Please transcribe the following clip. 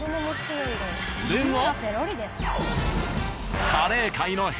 それが。